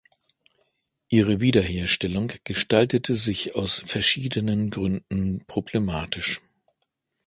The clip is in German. Ihre Wiederherstellung gestaltete sich aus verschiedenen Gründen problematisch.